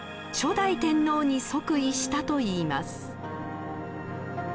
初代天皇に即位したといいます。